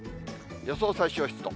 予想最小湿度。